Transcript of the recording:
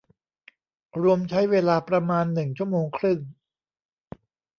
รวมใช้เวลาประมาณหนึ่งชั่วโมงครึ่ง